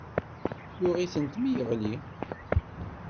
Yuɣ-itent mi yeɣli.